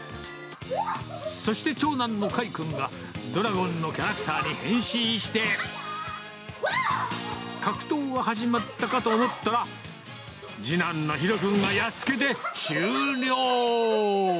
そして長男の海君が、ドラゴンのキャラクターに変身して、格闘が始まったかと思ったら、次男の紘君がやっつけて終了。